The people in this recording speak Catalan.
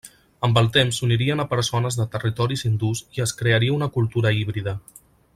Amb el temps s'unirien a persones de territoris hindús i es crearia una cultura híbrida.